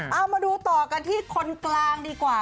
เอามาดูต่อกันที่คนกลางดีกว่า